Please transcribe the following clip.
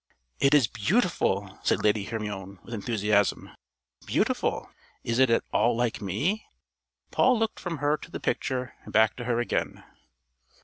"It is beautiful!" said Lady Hermione, with enthusiasm. "Beautiful! Is it at all like me?" Paul looked from her to the picture, and back to her again.